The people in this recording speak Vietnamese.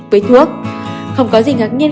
với thuốc không có gì ngạc nhiên